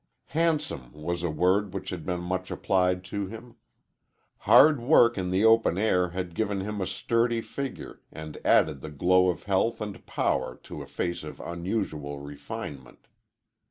Handsome was a word which had been much applied to him. Hard work in the open air had given him a sturdy figure and added the glow of health and power to a face of unusual refinement.